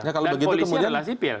dan polisi adalah sipil